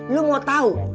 lo mau tau